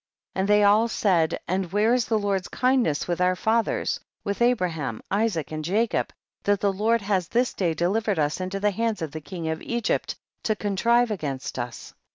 And they all said, and where is the Lord's kindness with our fathers, with Abraham, Isaac and Jacob, that the Jjord has this day delivered us into the hands of the king of Egypt to contrive against us